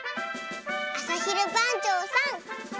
あさひるばんちょうさん。